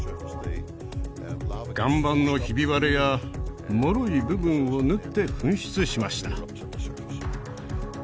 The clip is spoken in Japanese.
岩盤のひび割れやもろい部分を縫って噴出しました